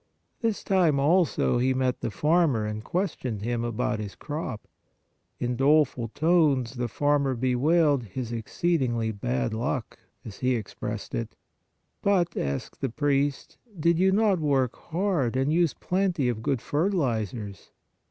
This time also he met the farmer and questioned him about his crop. In doleful tones the farmer bewailed his exceedingly bad luck, as he expressed it. " But," asked the priest, " did you not work hard and use plenty of good fertilizers?"